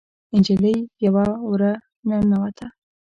نجلۍ په يوه وره ننوته.